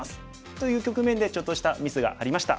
という局面でちょっとしたミスがありました。